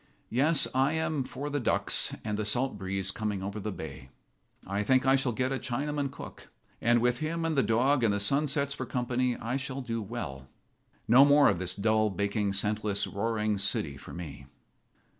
Yes, I am for the ducks and the salt breeze coming over the bay. I think I shall get a Chinaman cook, and with him and the dog and the sunsets for company I shall do well. No more of this dull, baking, senseless, roaring city for me."